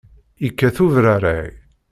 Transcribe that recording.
Yekkat ubraray.